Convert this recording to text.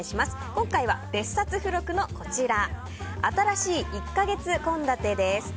今回は、別冊付録のこちらあたらしい１か月献立です。